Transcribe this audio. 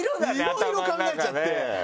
いろいろ考えちゃって。